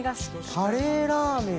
カレーラーメン。